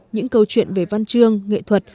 những câu chuyện về văn chương nghệ thuật